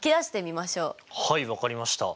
はい分かりました。